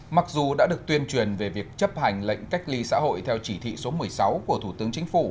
mặc dù đã được tuyên truyền về việc chấp hành lệnh cách ly xã hội theo chỉ thị số một mươi sáu của thủ tướng chính phủ